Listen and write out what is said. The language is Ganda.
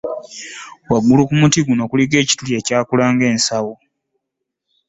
Waggulu era ku muti guno kuliko ekituli ekyakula ng’ensawo.